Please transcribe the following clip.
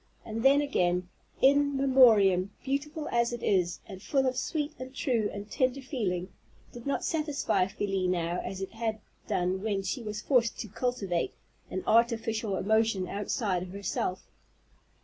And then, again, "In Memoriam," beautiful as it is, and full of sweet and true and tender feeling, did not satisfy Felie now as it had done when she was forced to cultivate an artificial emotion outside of herself.